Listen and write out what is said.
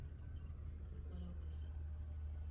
Gikwalo pesa